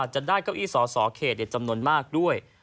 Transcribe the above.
จะได้เก้าอี้สสเขตจำนวนมากด้วย